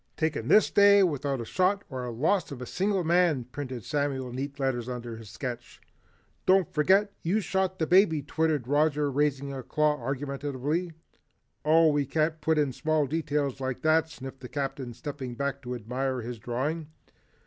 "Taken this day without a shot or the loss of a single man," printed Samuel in neat letters under his sketch. "Don't forget, you shot the baby," twittered Roger raising a claw argumentatively. "Oh, we can't put in small details like that," sniffed the Captain stepping back to admire his drawing.